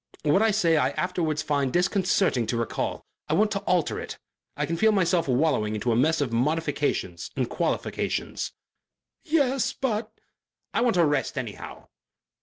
What I say, I afterwards find disconcerting to recall. I want to alter it. I can feel myself wallowing into a mess of modifications and qualifications." "Yes, but " "I want a rest anyhow...."